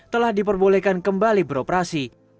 telah diperbolehkan kembali beroperasi